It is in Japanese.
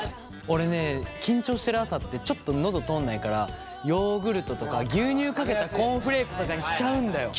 俺ね緊張してる朝ってちょっと喉通んないからヨーグルトとか牛乳かけたコーンフレークとかにしちゃうんだよ。